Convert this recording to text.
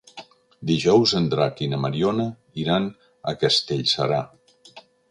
Dijous en Drac i na Mariona iran a Castellserà.